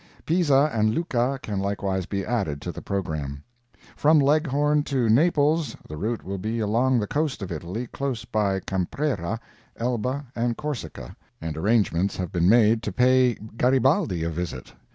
Pisa and Lucca can likewise be added to the programme. From Leghorn to Naples the route will be along the coast of Italy, close by Caprera, Elba and Corsica, and arrangements have been made to pay Garibaldi a visit.